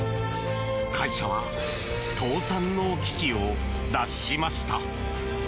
会社は倒産の危機を脱しました。